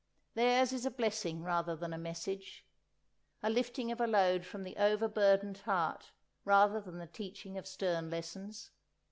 Theirs is a blessing rather than a message; a lifting of a load from the over burdened heart rather than the teaching of stern lessons.